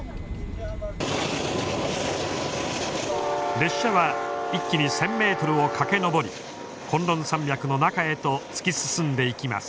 列車は気に１，０００ｍを駆け上り崑崙山脈の中へと突き進んでいきます。